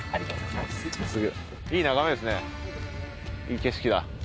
いい景色だ。